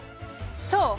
そう！